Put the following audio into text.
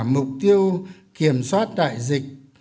mục tiêu kiểm soát đại dịch